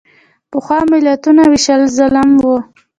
پخوا ملتونو وېشل ظلم و.